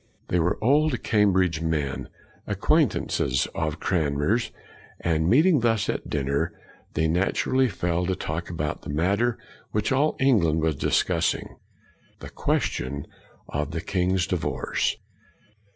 They were old Cambridge men, acquaintances of Cranmer's, and meeting thus at dinner they naturally fell to talk ing about the matter which all England was discussing, the question of the king's divorce.